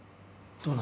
どうかな？